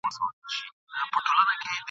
پښتانه به ددښمن مقابلې ته ټینګ ولاړ ول.